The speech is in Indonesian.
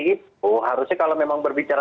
itu harusnya kalau memang berbicara